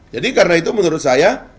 jadi karena itu menurut saya